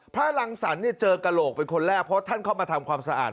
รังสรรค์เจอกระโหลกเป็นคนแรกเพราะท่านเข้ามาทำความสะอาด